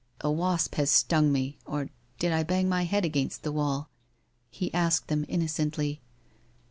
A wasp has stung me, or did I bang my head against the wall ?' he asked them innocently.